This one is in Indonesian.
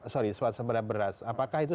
sorry suat sembeda beras apakah itu